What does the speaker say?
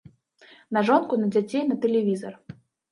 На жонку, на дзяцей, на тэлевізар.